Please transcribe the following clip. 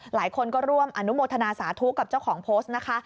หลายคนก็ร่วมอนุโมทนาสาธุกับเจ้าของโพสต์นะคะ